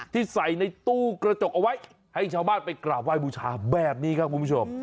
ที่ใส่ในตู้กระจกเอาไว้ให้ชาวบ้านไปกราบไห้บูชาแบบนี้ครับคุณผู้ชม